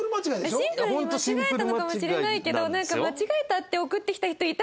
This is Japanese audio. シンプルに間違えたのかもしれないけどなんか間違えたって送ってきた人いたんですよ